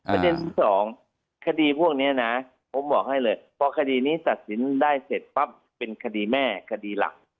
ประเด็นที่สองคดีพวกนี้นะผมบอกให้เลยพอคดีนี้ตัดสินได้เสร็จปั๊บเป็นคดีแม่คดีหลัก